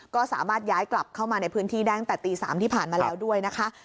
ก็สามารถย้ายกลับเข้ามาในพื้นที่ได้ตั้งแต่ตี๓ที่ผ่านมาแล้วด้วยนะคะ